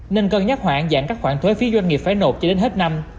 nên cân nhắc hoạn giảm các khoản thuế phí doanh nghiệp phải nộp cho đến hết năm